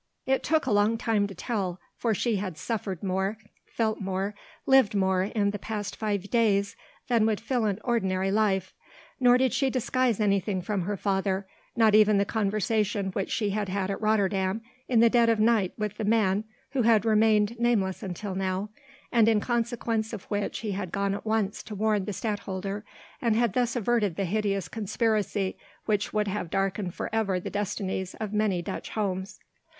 It took a long time to tell for she had suffered more, felt more, lived more in the past five days than would fill an ordinary life nor did she disguise anything from her father, not even the conversation which she had had at Rotterdam in the dead of night with the man who had remained nameless until now, and in consequence of which he had gone at once to warn the Stadtholder and had thus averted the hideous conspiracy which would have darkened for ever the destinies of many Dutch homes.